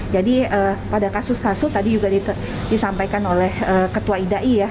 jadi pada kasus kasus tadi juga disampaikan oleh ketua idai ya